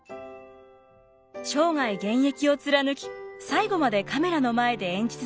生涯現役を貫き最後までカメラの前で演じ続けた早川雪洲。